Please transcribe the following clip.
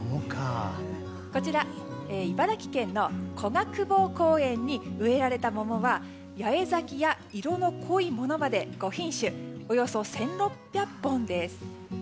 こちら茨城県の古河公方公園に植えられた桃は八重咲や色の濃いものまで５品種およそ１６００本です。